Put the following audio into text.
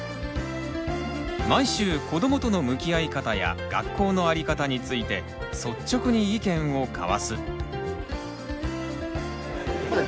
毎週子どもとの向き合い方や学校のあり方について率直に意見を交わす。